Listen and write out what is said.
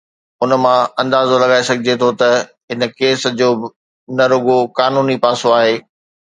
ان مان اندازو لڳائي سگهجي ٿو ته هن ڪيس جو نه رڳو قانوني پاسو آهي.